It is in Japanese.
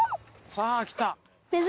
さあ来た。